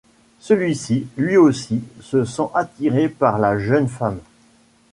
Celui-ci, lui aussi, se sent attiré par la jeune femme.